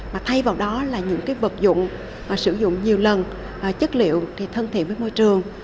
mà thay vào đó là những cái vật dụng sử dụng nhiều lần chất liệu thì thân thiện với môi trường